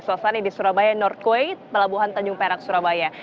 suasana di surabaya north quaid pelabuhan tanjung perak surabaya